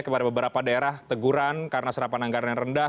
kepada beberapa daerah teguran karena serapan anggaran yang rendah